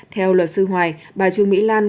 theo luật sư hoài bà trung mỹ lan